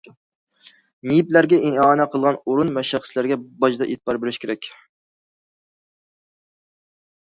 مېيىپلەرگە ئىئانە قىلغان ئورۇن ۋە شەخسلەرگە باجدا ئېتىبار بېرىش كېرەك.